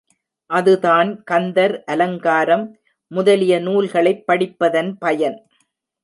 அதுதான் கந்தர் அலங்காரம் முதலிய நூல்களைப் படிப்பதன் பயன்.